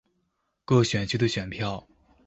各選區的選票